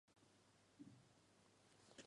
西汉时期建立。